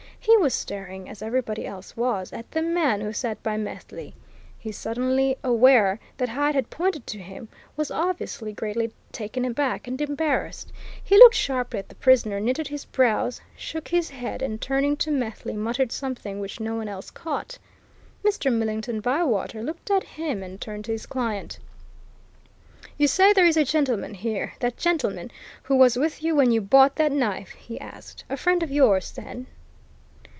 He was staring, as everybody else was, at the man who sat by Methley. He, suddenly aware that Hyde had pointed to him, was obviously greatly taken aback and embarrassed he looked sharply at the prisoner, knitted his brows, shook his head, and turning to Methley muttered something which no one else caught. Mr. Millington Bywater looked at him and turned to his client. "You say there is a gentleman here that gentleman! who was with you when you bought that knife?" he asked. "A friend of yours, then?"